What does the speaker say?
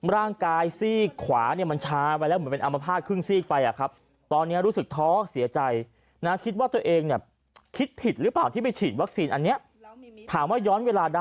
ร่างกายซีกขวาเนี่ยมันช้าไปแล้วเหมือนเป็นอัมภาษณ์ครึ่งซีกไปอ่ะครับ